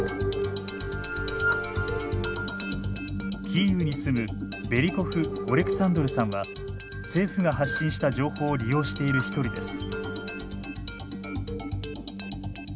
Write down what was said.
キーウに住むベリコフ・オレクサンドルさんは政府が発信した情報を利用している一人です。